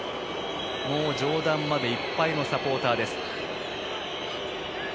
上段までいっぱいのサポーター。